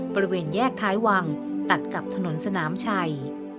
บริเวณแยกท้ายวังตัดกับถนนสนามชัย